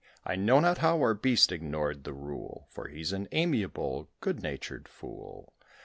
I know not how our beast ignored the rule, For he's an amiable, good natured fool.